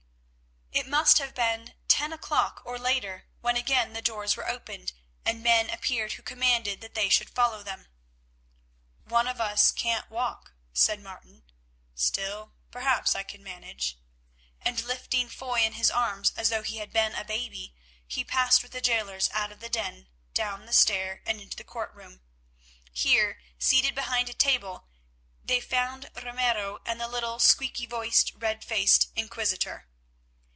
It must have been ten o'clock or later when again the doors were opened, and men appeared who commanded that they should follow them. "One of us can't walk," said Martin; "still, perhaps I can manage," and, lifting Foy in his arms as though he had been a baby, he passed with the jailers out of the den, down the stair, and into the court room. Here, seated behind a table, they found Ramiro and the little, squeaky voiced, red faced Inquisitor.